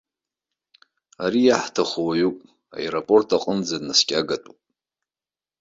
Ари иаҳҭаху уаҩуп, аеропорт аҟынӡа днаскьагатәуп.